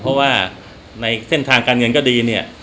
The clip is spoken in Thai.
เพราะว่าในเส้นทางการเงินก็ดีเนี่ย